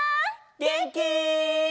げんき？